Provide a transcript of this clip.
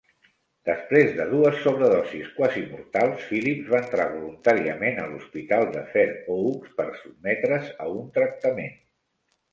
Després de dues sobredosis quasi-mortals, Phillips va entrar voluntàriament a l'hospital de Fair Oaks per sotmetre's a un tractament.